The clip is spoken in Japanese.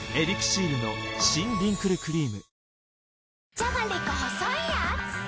じゃがりこ細いやーつ